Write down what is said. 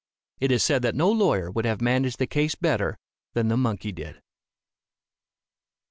It is said that no lawyer would have managed the case better than the monkey did.